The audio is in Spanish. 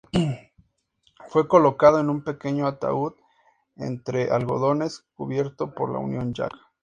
Fue colocado en un pequeño ataúd entre algodones, cubierto por la Union Jack.